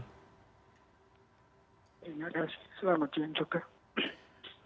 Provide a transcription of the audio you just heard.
selamat siang juga